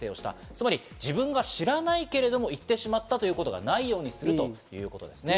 つまり自分が知らないけれども行ってしまったということがないようにするということですね。